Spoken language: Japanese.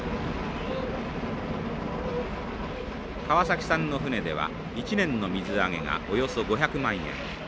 川崎さんの船では一年の水揚げがおよそ５００万円。